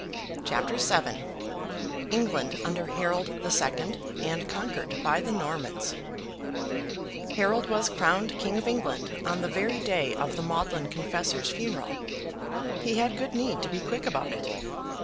CHAPTER VII ENGLAND UNDER HAROLD THE SECOND, AND CONQUERED BY THE NORMANS Harold was crowned King of England on the very day of the maudlin Confessor's funeral. He had good need to be quick about it.